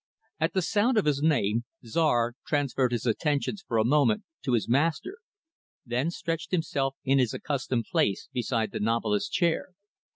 At the sound of his name, Czar transferred his attentions, for a moment, to his master; then stretched himself in his accustomed place beside the novelist's chair.